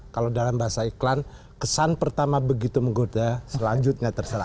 kalau dalam bahasa iklan kesan pertama begitu menggoda selanjutnya terserah